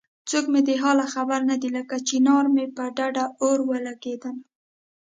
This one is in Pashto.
څوک مې د حاله خبر نه دی لکه چنار مې په ډډ اور ولګېدنه